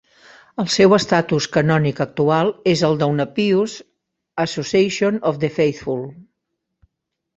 El seu estatus canònic actual és el d'una Pious Association of the Faithful.